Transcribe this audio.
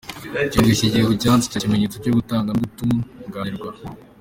Ikirondwe kigiye mu cyansi cyari ikimenyetso cyo gutunga no gutunganirwa.